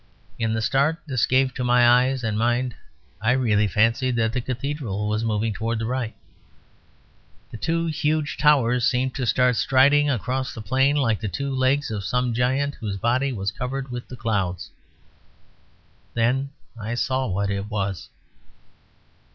In the start this gave to my eye and mind I really fancied that the Cathedral was moving towards the right. The two huge towers seemed to start striding across the plain like the two legs of some giant whose body was covered with the clouds. Then I saw what it was.